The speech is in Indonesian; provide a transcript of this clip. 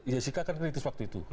jessica akan kritis waktu itu